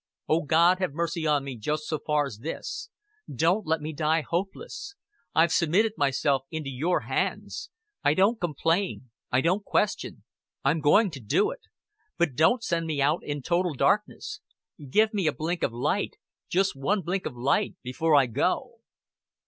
"O God have mercy on me just so far's this. Don't let me die hopeless. I've submitted myself into Your hands. I don't complain. I don't question. I'm going to do it. But don't send me out in total darkness. Give me a blink of light just one blink o' light before I go."